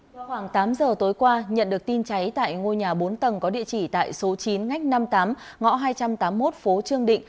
vào khoảng tám giờ tối qua nhận được tin cháy tại ngôi nhà bốn tầng có địa chỉ tại số chín ngách năm mươi tám ngõ hai trăm tám mươi một phố trương định